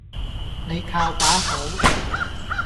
你靠把口